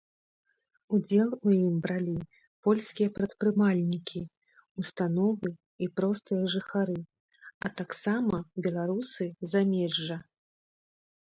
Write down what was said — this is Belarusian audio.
Удзел у ім бралі польскія прадпрымальнікі, установы і простыя жыхары, а таксама беларусы замежжа.